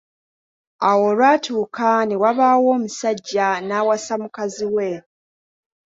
Awo olwatuuka ne wabaawo omusajja n’awasa mukazi we.